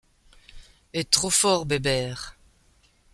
es trop fort Bébert !